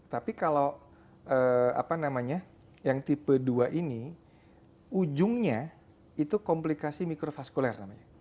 tapi kalau apa namanya yang tipe dua ini ujungnya itu komplikasi mikrofaskuler namanya